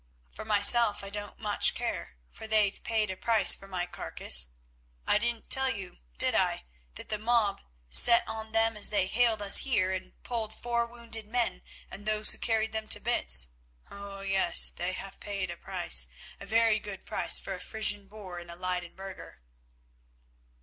For myself I don't much care, for they've paid a price for my carcase. I didn't tell you, did I, that the mob set on them as they haled us here and pulled four wounded men and those who carried them to bits? Oh! yes, they have paid a price, a very good price for a Frisian boor and a Leyden burgher."